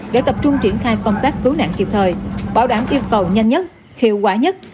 để tập trung triển khai công tác cứu nạn kịp thời bảo đảm yêu cầu nhanh nhất hiệu quả nhất